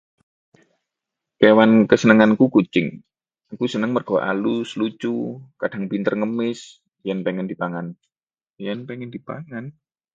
Kewan kesenenganku kucing. Aku seneng merga alus, lucu, lan kadhang pinter ngemis yen pengin dipangan. Yen pengin dipangan.